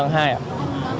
nhưng mà em ở tầng mấy